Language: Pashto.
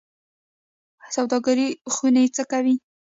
سوداګرۍ خونې څه کوي؟